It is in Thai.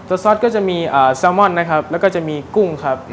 ซอสก็จะมีแซลมอนนะครับแล้วก็จะมีกุ้งครับ